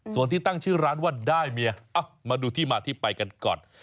ส่วนที่ตั้งชื่อร้านว่าได้เมียมาดูที่มาที่ไปกันก่อน